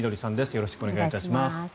よろしくお願いします。